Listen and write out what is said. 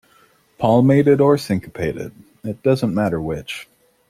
Palmated or syncopated, it doesn't matter which.